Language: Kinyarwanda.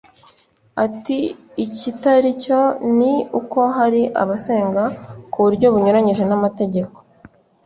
Ati “Ikitari cyo ni uko hari abasenga ku buryo bunyuranyije n’amategeko